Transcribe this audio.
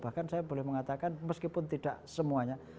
bahkan saya boleh mengatakan meskipun tidak semuanya